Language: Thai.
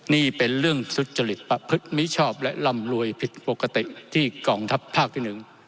นี่เป็นเรื่องสุจริตประพฤติมิชอบและร่ำรวยผิดปกติที่กองทัพภาคที่หนึ่ง